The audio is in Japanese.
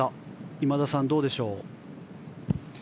今田さん、どうでしょう？